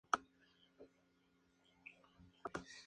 Tras esto, Challis es capturado y llevado ante Cochran.